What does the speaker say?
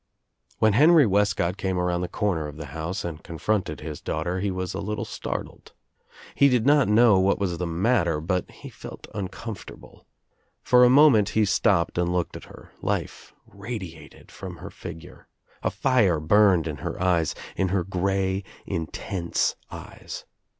When Henry Wcscott came around the corner of the house and confronted his daughter he was a little startled. He did not know what was the matter but he felt uncomfortable. For a moment he stopped and looked at her. Life radiated from her figure. A fire burned In her eyes, in her grey intense eyes.